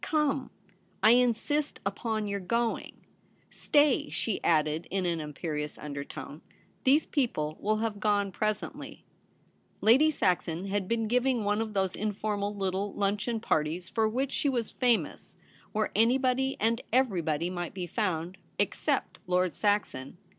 Come, I insist upon your going. Stay,' she added in an im perious undertone. ' These people will have gone presently.' Lady Saxon had been giving one of those informal little luncheon parties for which she was famous, where anybody and everybody might be found — except Lord Saxon.